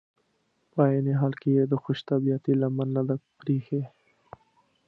په عین حال کې یې د خوش طبعیتي لمن نه ده پرېښي.